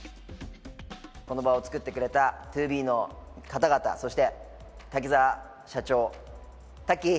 この場を作ってくれたＴＯＢＥの方々、そして滝沢社長、タッキー！